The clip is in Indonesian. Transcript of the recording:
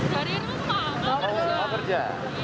dari rumah kerja